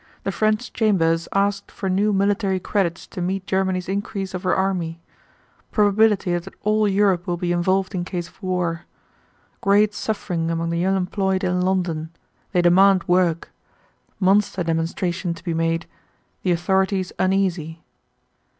The French Chambers asked for new military credits to meet Germany's increase of her army. Probability that all Europe will be involved in case of war. Great suffering among the unemployed in London. They demand work. Monster demonstration to be made. The authorities uneasy.